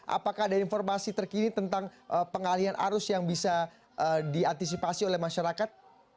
apakah ada informasi terkini tentang pengalian arus yang bisa diantisipasi oleh masyarakat